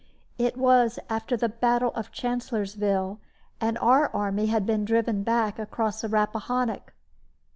It was after the battle of Chancellorsville, and our army had been driven back across the Rappahannock.